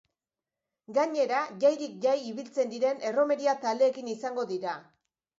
Gainera, jairik jai ibiltzen diren erromeria taldeekin izango dira.